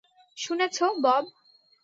শুনেছ, বব?